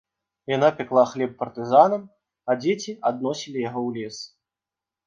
Яна пякла хлеб партызанам, а дзеці адносілі яго ў лес.